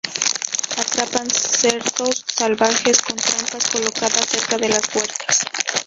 Atrapan cerdos salvajes con trampas colocadas cerca de las huertas.